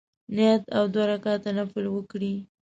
نیت او دوه رکعته نفل وکړي.